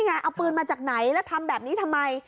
เอาปืนมาจากไหนแล้วทำแบบนี้ทำไม